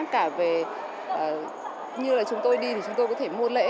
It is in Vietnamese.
cả về như là chúng tôi đi thì chúng tôi có thể mua lễ